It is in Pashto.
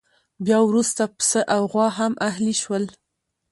بیا وروسته پسه او غوا هم اهلي شول.